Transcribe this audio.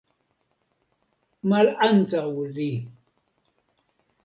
Malantaŭ li .